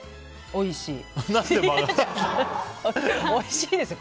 おいしい。